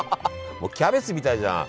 もうキャベツみたいじゃん。